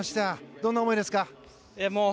どんな思いですか？